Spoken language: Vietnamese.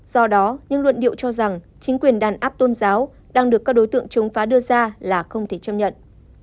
do đó những luận điệu cho rằng chính quyền đàn áp tôn giáo đang được các đối tượng chống phá đưa ra là không thể chấp nhận